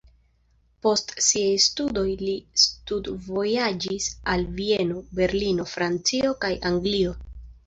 Post siaj studoj li studvojaĝis al Vieno, Berlino, Francio kaj Anglio.